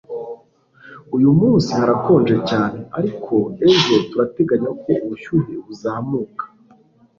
uyu munsi harakonje cyane, ariko ejo turateganya ko ubushyuhe buzamuka